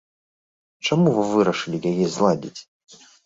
Чаму вы вырашылі яе зладзіць?